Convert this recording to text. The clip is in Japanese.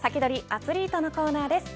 アツリートのコーナーです。